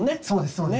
そうです